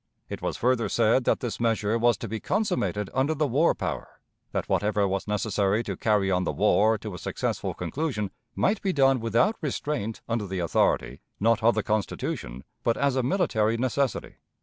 It was further said that this measure was to be consummated under the war power; that whatever was necessary to carry on the war to a successful conclusion might be done without restraint under the authority, not of the Constitution, but as a military necessity.